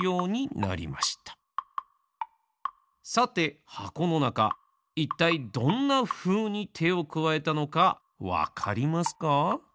さてはこのなかいったいどんなふうにてをくわえたのかわかりますか？